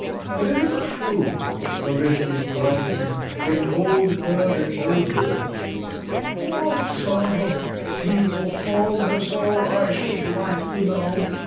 "But is it true," Lavretsky interrupted him, "they called her the old witch?" "What sort of people called her so, I should like to know!"